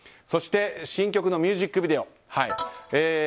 そして新曲のミュージックビデオ。